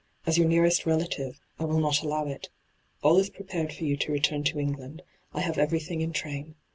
As your nearest relative, I will not allow it. All is prepared for you to return to England ; I have everything in train.